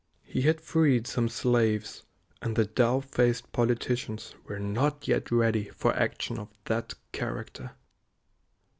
He had freed some slaves, and the dough faced politicians were not yet ready for action of that character.